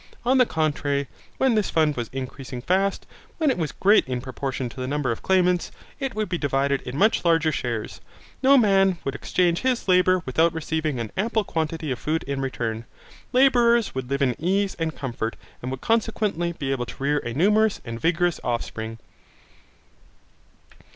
On the contrary, when this fund was increasing fast, when it was great in proportion to the number of claimants, it would be divided in much larger shares. No man would exchange his labour without receiving an ample quantity of food in return. Labourers would live in ease and comfort, and would consequently be able to rear a numerous and vigorous offspring.